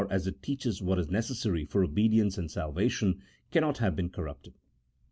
167 as it teaches what is necessary for obedience and salvation, cannot have been corrupted.